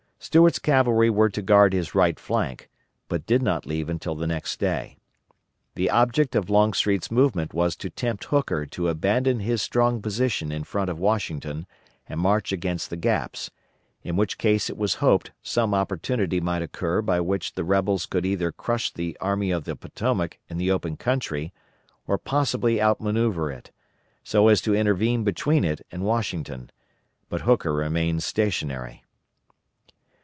Stuart's cavalry were to guard his right flank, but did not leave until the next day. The object of Longstreet's movement was to tempt Hooker to abandon his strong position in front of Washington and march against the Gaps, in which case it was hoped some opportunity might occur by which the rebels could either crush the Army of the Potomac in the open country or possibly outmanoeuvre it, so as to intervene between it and Washington; but Hooker remained stationary.